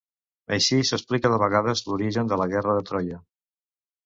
Així s'explica de vegades l'origen de la guerra de Troia.